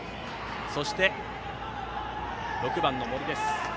そして、６番の森です。